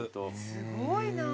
すごいなー。